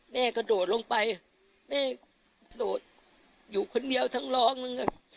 แม่กระโดดลงไปแม่โดดอยู่คนเดียวทั้งรองนึง